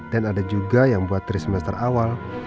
dan ada juga yang buat dari semester awal